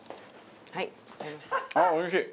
あっおいしい！